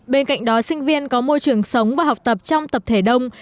bên cạnh đó sinh viên có môi trường sống và học tập trong tập thể đông